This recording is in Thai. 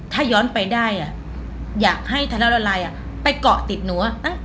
ถ้าย้อนไปได้อ่ะอยากให้ทันละลายอ่ะไปเกาะติดหนูอ่ะเอ๊ะ